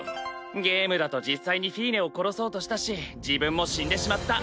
ゲームだと実際にフィーネを殺そうとしたし自分も死んでしまった。